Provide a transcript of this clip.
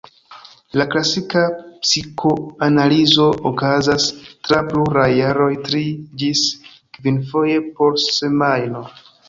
La klasika psikoanalizo okazas tra pluraj jaroj tri- ĝis kvinfoje po semajno.